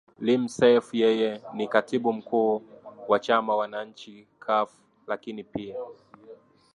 lim seif yeye ni katibu mkuu wa chama wananchi kaf lakini pia